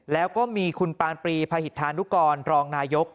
แล้วก็มีคุณปานปรีพหิตธานุกรรองนายก